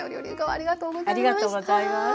ありがとうございます。